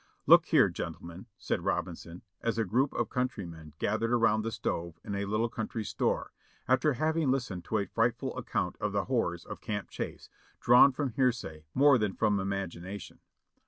"Look here, gentlemen," said Robinson, as a group of country THE SECOND ESCAPE 495 men gathered around the stove in a Httle country store, after having Hstened to a frightful account of the horrors of Camp Chase, drawn from hearsay more than from imagination.